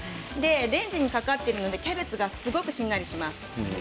レンジにかかっているのでキャベツがすごくしんなりします。